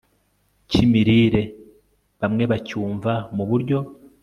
cyimirire bamwe bacyumva mu buryo